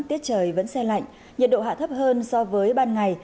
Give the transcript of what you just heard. tiết trời vẫn xe lạnh nhiệt độ hạ thấp hơn so với ban ngày